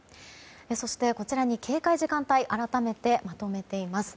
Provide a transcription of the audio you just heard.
そして、こちらに警戒時間帯を改めてまとめています。